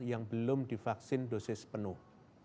yang belum divaksin dosis penuh